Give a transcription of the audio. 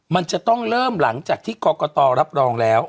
มันจะต้องเริ่มหลังจากที่กรกตรับรองแล้ว